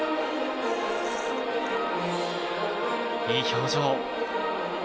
いい表情。